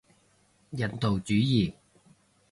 人道主義